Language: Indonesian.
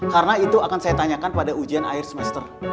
karena itu akan saya tanyakan pada ujian akhir semester